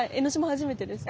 初めてですか？